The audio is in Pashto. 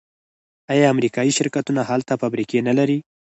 آیا امریکایی شرکتونه هلته فابریکې نلري؟